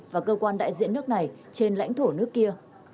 và cơ quan đại diện nước này trên lãnh thổ nước kia